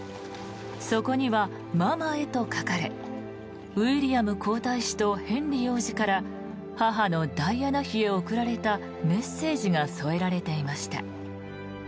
そこには「ママへ」と書かれウィリアム皇太子とヘンリー王子から母のダイアナ妃へ送られたメッセージが添えられていました。